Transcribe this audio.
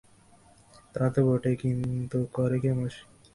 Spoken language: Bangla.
তা তো বটেই, কিন্তু করে কে মশায়?